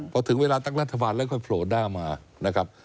พอถึงเวลาตั้งรัฐบาลแล้วค่อยโผล่หน้ามานะครับ